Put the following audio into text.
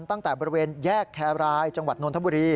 ตั้งแต่บริเวณแยะแครรท์จนนทบุรี